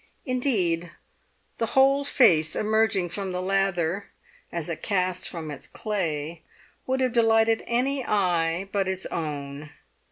Indeed, the whole face emerging from the lather, as a cast from its clay, would have delighted any eye but its own.